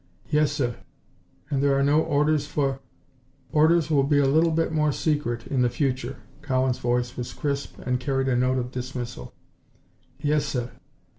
"Yes, sir. And there are no orders for " "Orders will be a little more secret in the future." Cowan's voice was crisp, and carried a note of dismissal. "Yes, sir."